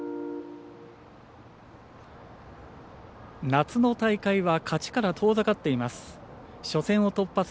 夏の大会は価値から遠ざかっています。